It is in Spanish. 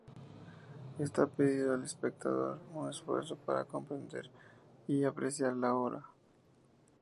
Está pedido al espectador un esfuerzo para comprender y apreciar la obra.